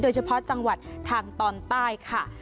โดยเฉพาะจังหวัดทางตอนใต้ค่ะ